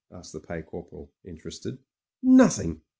asked the Pay Corporal, interested. "Nothing.